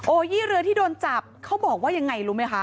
ยี่เรือที่โดนจับเขาบอกว่ายังไงรู้ไหมคะ